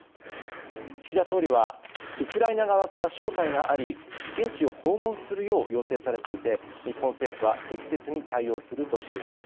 岸田総理はウクライナ側から招待があり現地を訪問するよう要請されていて日本政府は適切に対応するとしています。